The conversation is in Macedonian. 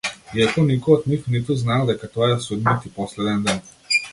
Иако никој од нив ниту знаел дека тоа е судниот и последен ден.